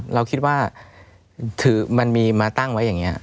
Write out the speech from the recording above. เราคิดว่ามันมีมาตั้งไว้อย่างนี้